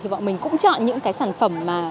thì bọn mình cũng chọn những sản phẩm